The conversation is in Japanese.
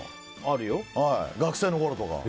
学生のころとかは？